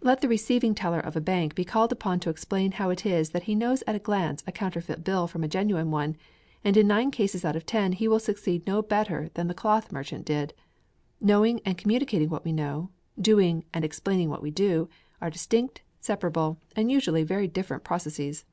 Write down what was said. Let the receiving teller of a bank be called upon to explain how it is that he knows at a glance a counterfeit bill from a genuine one, and in nine cases out of ten he will succeed no better than the cloth merchant did. Knowing and communicating what we know, doing and explaining what we do, are distinct, separable, and usually very different processes.